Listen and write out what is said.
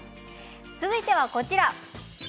続いてはこちらです。